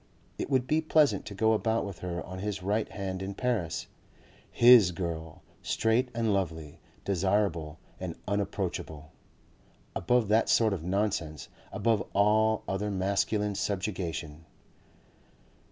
It would be pleasant to go about with her on his right hand in Paris, HIS girl, straight and lovely, desirable and unapproachable, above that sort of nonsense, above all other masculine subjugation.